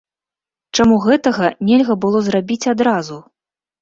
Чаму гэтага нельга было зрабіць адразу?